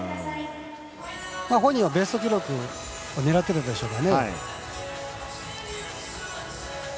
本人はベスト記録を狙っているんでしょうけどね。